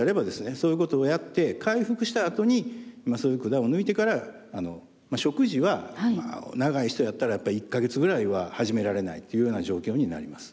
そういうことをやって回復したあとにそういう管を抜いてから食事は長い人やったらやっぱ１か月ぐらいは始められないというような状況になります。